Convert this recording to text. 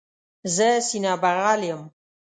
زه سینه بغل یم.